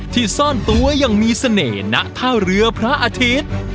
ซ่อนตัวยังมีเสน่ห์ณท่าเรือพระอาทิตย์